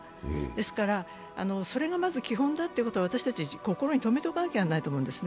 ですからそれがまず基本だと言うことを私たちも心にとめておかなきゃいけないと思うんです。